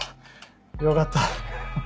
よかった。